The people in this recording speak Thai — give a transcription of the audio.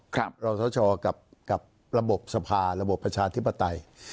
รอสชกับระบบสภาระบบประชาธิปไตย